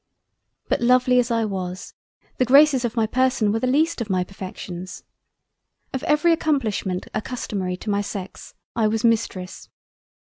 But lovely as I was the Graces of my Person were the least of my Perfections. Of every accomplishment accustomary to my sex, I was Mistress.